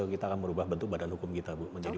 kita akan merubah bentuk badan hukum kita bu